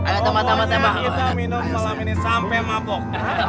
pokoknya kita minum malam ini sampai mabok